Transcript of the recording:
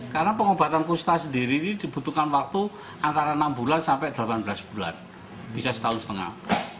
karena pengobatan kusta sendiri dibutuhkan waktu antara enam bulan sampai delapan belas bulan bisa setahun setengah